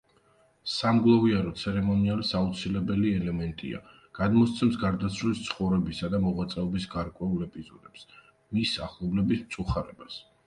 სამგლოვიარო ცერემონიალის აუცილებელი ელემენტია; გადმოსცემს გარდაცვლილის ცხოვრებისა და მოღვაწეობის გარკვეულ ეპიზოდებს, მისი ახლობლების მწუხარებას.